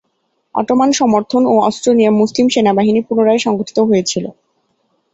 Ottoman সমর্থন ও অস্ত্র নিয়ে মুসলিম সেনাবাহিনী পুনরায় সংগঠিত হয়েছিল।